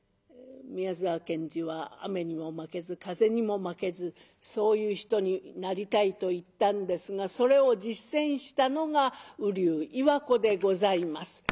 宮沢賢治は「雨にも負けず風にも負けずそういう人になりたい」と言ったんですがそれを実践したのが瓜生岩子でございます。